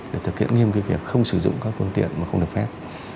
để thực hiện nghiêm việc không sử dụng các phương tiện mà không được phép